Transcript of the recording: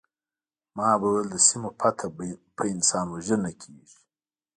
ما به ویل د سیمو فتح په انسان وژنه کیږي